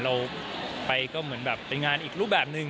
เราไปก็เหมือนแบบเป็นงานอีกรูปแบบหนึ่ง